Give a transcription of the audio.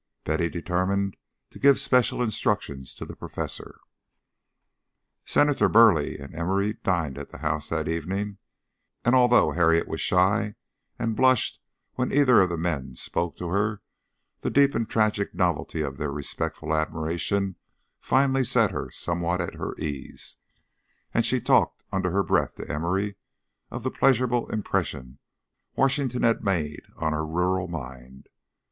Betty determined to give special instructions to the Professor. Senator Burleigh and Emory dined at the house that evening, and although Harriet was shy, and blushed when either of the men spoke to her the deep and tragic novelty of their respectful admiration finally set her somewhat at her ease, and she talked under her breath to Emory of the pleasurable impression Washington had made on her rural mind.